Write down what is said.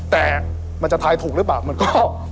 แต่มันจะทายถูกหรือเปล่ามันก็